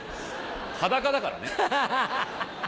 裸だからね。